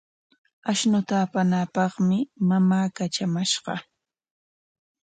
Ashnuta apanaapaqmi mamaa katramashqa.